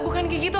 bukan kayak gitu